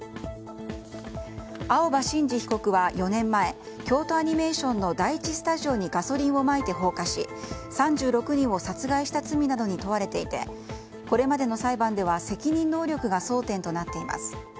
青葉真司被告は４年前京都アニメーションの第１スタジオにガソリンをまいて放火し３６人を殺害した罪などに問われていてこれまでの裁判では責任能力が争点となっています。